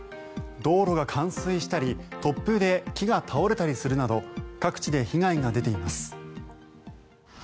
道路が冠水したり突風で木が倒れたりするなど各地で被害が出ています。